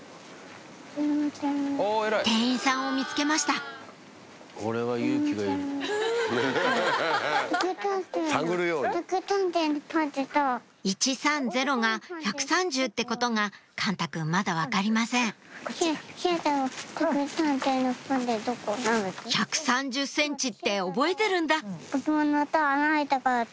店員さんを見つけました「イチサンゼロ」が１３０ってことが幹太くんまだ分かりません１３０ｃｍって覚えてるんだ○△□×☆